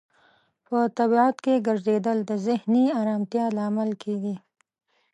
په طبیعت کې ګرځیدل د ذهني آرامتیا لامل کیږي.